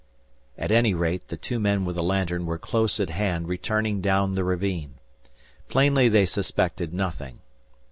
At any rate, the two men with the lantern were close at hand returning down the ravine. Plainly they suspected nothing.